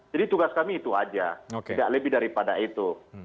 jadi tugas kami itu aja tidak lebih daripada itu